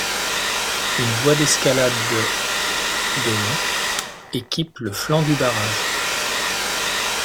Une voie d'escalade de de long équipe le flanc du barrage.